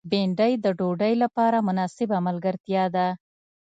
بېنډۍ د ډوډۍ لپاره مناسبه ملګرتیا ده